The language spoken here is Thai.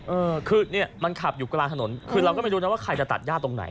เออคือเนี่ยมันขับอยู่กลางถนนคือเราก็ไม่รู้นะว่าใครจะตัดย่าตรงไหน